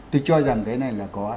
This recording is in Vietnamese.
tôi cho rằng cái này là có